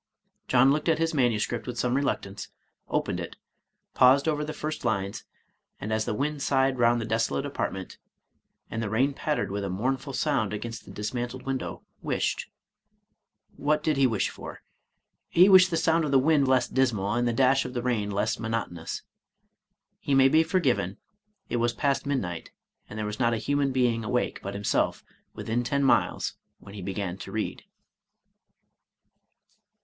John looked at his manuscript with some reluctance, opened it, paused over the first lines, and as the wind sighed round the desolate apartment, and the rain pattered with a mournful sound against the dis mantled window, wished what did he wish for? — ^he wished the sound of the wind less dismal, and the dash of the rain less monotonous. He may be forgiven, it was past midnight, and there was not a human being awake but himself within ten miles when he began to read.